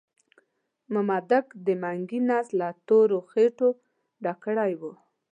مامدک د منګي نس له تورو خټو ډک کړی وو.